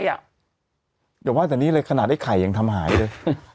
เดี๋ยวว่าแต่นี่เลยขนาดไอ้ไข่ยังทำหายด้วย